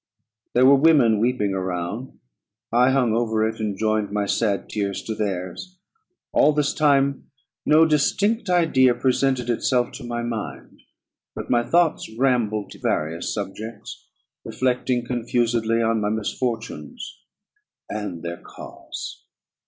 There were women weeping around I hung over it, and joined my sad tears to theirs all this time no distinct idea presented itself to my mind; but my thoughts rambled to various subjects, reflecting confusedly on my misfortunes, and their cause.